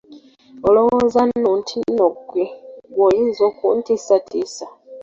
Olowooza nno nti nno ggwe, ggwe oyinza okuntiisatiisa?